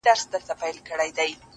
o اوس هره شپه سپينه سپوږمۍ ـ